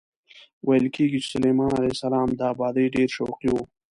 ویل کېږي چې سلیمان علیه السلام د ابادۍ ډېر شوقي و.